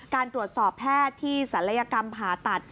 การตรวจสอบแพทย์ที่ศัลยกรรมผ่าตัด